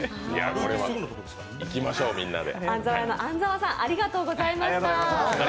これは行きましょう、みんなで。